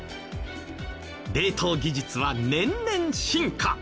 冷凍技術は年々進化。